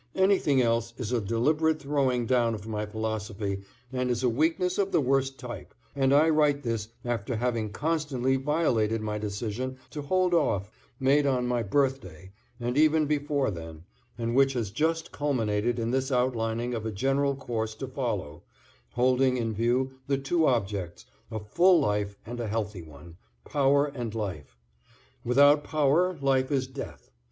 Anything else is a deliberate throwing down of my philosophy and is a weakness of the worst type, and I write this after having constantly violated my decision to hold off, made on my birthday and even before then, and which has just culminated in this outlining of a general course to follow, holding in view the two objects, a full life and a healthy one, power and life. Without power life is death.